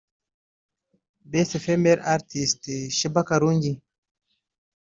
Best Female Artiste – Sheebah Karungi